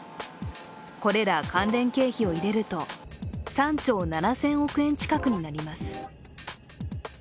これら関連経費を入れると３兆７０００億円近くになります。